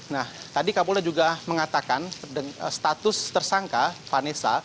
nah tadi kapolda juga mengatakan status tersangka vanessa